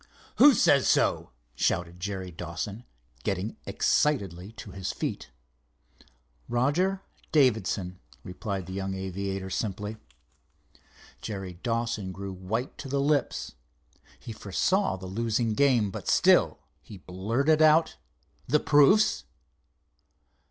"Who says so?" shouted Jerry Dawson, getting excitedly to his feet. "Roger Davidson," replied the young aviator, simply. Jerry Dawson grew white to the lips. He foresaw the losing game, but still he blurted out: "The proofs?"